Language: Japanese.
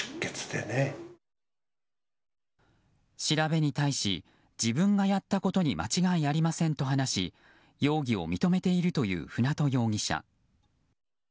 調べに対し自分がやったことに間違いありませんと話し容疑を認めているという舟渡容疑者。